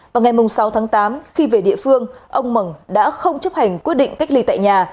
vào ngày sáu tháng tám khi về địa phương ông mẩn đã không chấp hành quyết định cách ly tại nhà